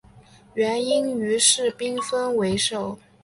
元英于是分兵围守。